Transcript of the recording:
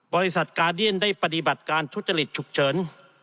บริษัทกาเดียนได้ปฏิบัติการทุจริตฉุกเฉิน